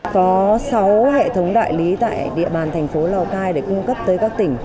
có sáu hệ thống đại lý tại địa bàn thành phố lào cai để cung cấp tới các tỉnh